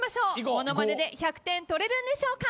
ものまねで１００点取れるんでしょうか？